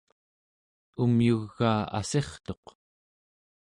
umyugaa assirtuq